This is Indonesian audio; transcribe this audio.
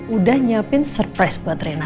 udah nyiapin surprise buat rena